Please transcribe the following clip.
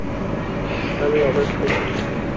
আমি অবাক হইলাম।